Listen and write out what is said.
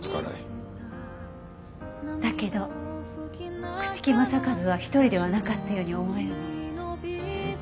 だけど朽木政一は一人ではなかったように思えるの。